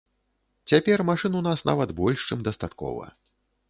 Цяпер машын у нас нават больш, чым дастаткова.